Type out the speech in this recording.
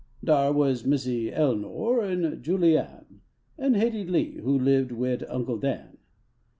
Dar was Missy Elenor an Julie Ann, An Haidee Lee, who lived wid Uncle Dan.